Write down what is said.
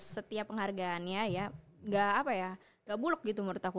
setiap penghargaannya ya gak apa ya gak buluk gitu menurut aku